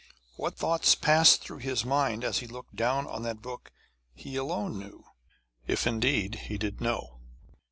What thoughts passed through his mind as he looked down on that book he alone knew, if indeed he did know.